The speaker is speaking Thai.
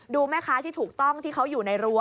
แม่ค้าที่ถูกต้องที่เขาอยู่ในรั้